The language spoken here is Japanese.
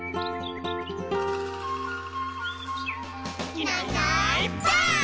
「いないいないばあっ！」